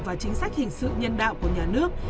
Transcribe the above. và chính sách hình sự nhân đạo của nhà nước